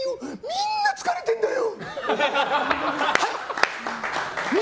みんな疲れてんだよ！